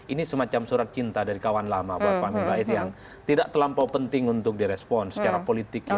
ini semacam surat cinta dari kawan lama pak amin rais yang tidak terlampau penting untuk direspon secara politik